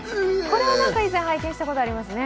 これは以前、拝見したことがありますね。